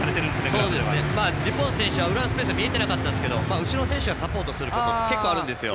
まあデュポン選手は裏へのスペースが見えてなかったんですが後ろの選手がサポートすることは結構あるんですよ。